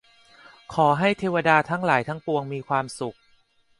ขอให้เทวดาทั้งหลายทั้งปวงมีความสุข